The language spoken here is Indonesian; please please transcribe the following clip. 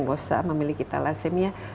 jadi sudah ada yang memiliki talasemia